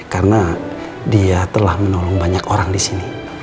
karena dia telah menolong banyak orang disini